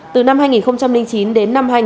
từ năm hai nghìn chín đến năm hai nghìn một mươi